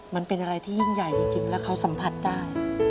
มันเป็นอะไรที่ยิ่งใหญ่จริงแล้วเขาสัมผัสได้